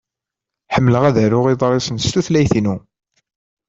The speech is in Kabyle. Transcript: Ḥemmleɣ ad aruɣ iḍrisen s tutlayt-inu.